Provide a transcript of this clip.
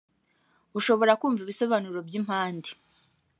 bushobora kumva ibisobanuro by impande